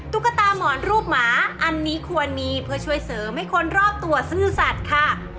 ตุ๊กตาหมอนรูปหมาอันนี้ควรมีเพื่อช่วยเสริมให้คนรอบตัวซื่อสัตว์ค่ะ